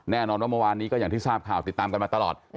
แน่นอนว่าเมื่อวานนี้ก็อย่างที่ทราบข่าวติดตามกันมาตลอด